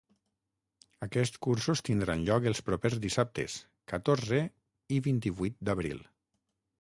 Aquests cursos tindran lloc els propers dissabtes catorze i vint-i-vuit d’abril.